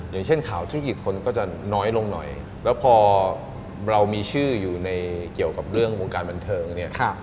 อย่างเช่นข่าวธุรกิจคนก็จะน้อยลงหน่อยแล้วพอเรามีชื่ออยู่ในเกี่ยวกับเรื่องวงการบันเทิงเนี่ย